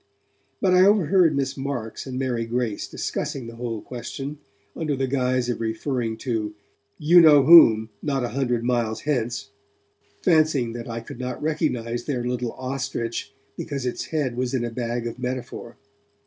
But I overheard Miss Marks and Mary Grace discussing the whole question under the guise of referring to 'you know whom, not a hundred miles hence', fancying that I could not recognize their little ostrich because its head was in a bag of metaphor.